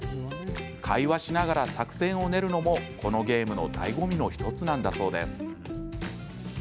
会話しながら作戦を練るのもこのゲームのだいご味の１つなんだそうです。